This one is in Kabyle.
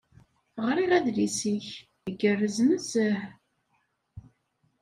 Ɣriɣ adlis-ik. Igerrez nezzeh.